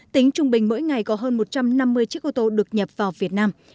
tính trung bình mỗi ngày có hơn một trăm năm mươi chiếc ô tô được nhập vào việt nam